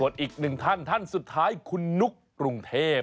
ส่วนอีกหนึ่งท่านท่านสุดท้ายคุณนุ๊กกรุงเทพ